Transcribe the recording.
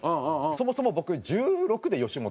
そもそも僕１６で吉本入ってて。